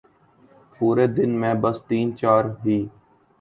پورے دن میں بس تین چار ہی ۔